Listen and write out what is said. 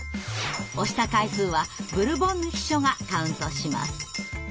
押した回数はブルボンヌ秘書がカウントします。